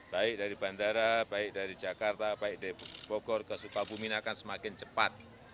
baik dari bandara baik dari jakarta baik dari bogor ke sukabumi akan semakin cepat